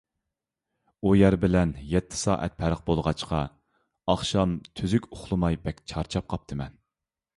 ئۇ يەر بىلەن يەتتە سائەت پەرق بولغاچقا، ئاخشام تۈزۈك ئۇخلىماي بەك چارچاپ قاپتىمەن.